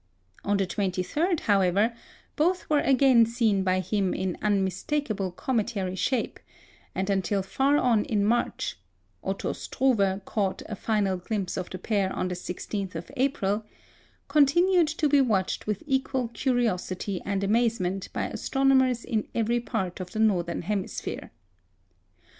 On the 23rd, however, both were again seen by him in unmistakable cometary shape, and until far on in March (Otto Struve caught a final glimpse of the pair on the 16th of April), continued to be watched with equal curiosity and amazement by astronomers in every part of the northern hemisphere.